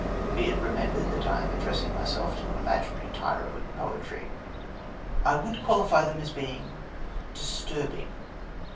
(Be it remembered that I am addressing myself to an imaginary tyro in poetry.) I would qualify them as being "disturbing."